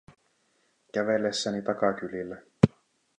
Kävellessäni takakylillä.